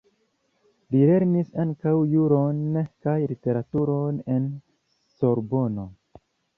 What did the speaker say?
Li lernis ankaŭ juron kaj literaturon en Sorbono.